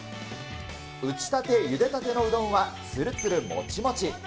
打ちたて、ゆでたてのうどんはつるつるもちもち。